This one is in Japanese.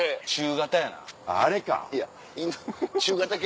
あれか！